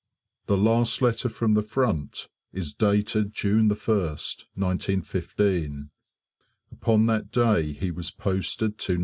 The last letter from the Front is dated June 1st, 1915. Upon that day he was posted to No.